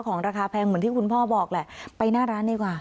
ของราคาแพงเหมือนที่คุณพ่อบอกแหละไปหน้าร้านดีกว่า